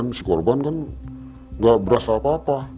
berikut delapan puluh empat buah buahan tuh